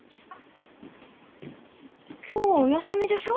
今日はお休みでしょ？